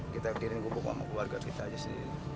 kita kirim gubuk sama keluarga kita aja sih